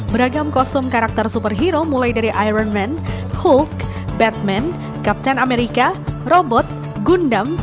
beragam kostum karakter superhero mulai dari iron man hulk batman kapten amerika robot gundam